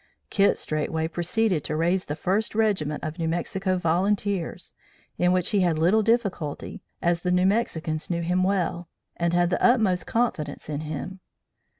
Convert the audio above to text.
Kit straightway proceeded to raise the First Regiment of New Mexico Volunteers, in which he had little difficulty, as the New Mexicans knew him well, and had the utmost confidence in him.